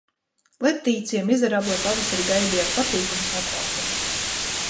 Letīcija Mizerable pavasari gaidīja ar patīkamu satraukumu.